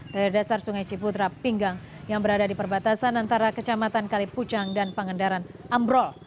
dari dasar sungai ciputra pinggang yang berada di perbatasan antara kecamatan kalipucang dan pangandaran ambrol